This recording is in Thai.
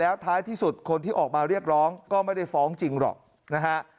แล้วท้ายที่สุดคนที่ออกมาเรียกร้องก็ไม่ได้ฟ้องจริงหรอกนะฮะ